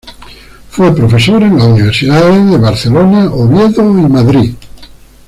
Fue profesor en las universidades de Barcelona, Oviedo y Madrid.